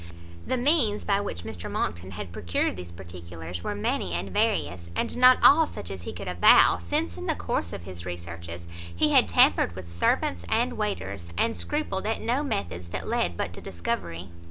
The means by which Mr Monckton had procured these particulars were many and various, and not all such as he could avow; since in the course of his researches, he had tampered with servants and waiters, and scrupled at no methods that led but to discovery.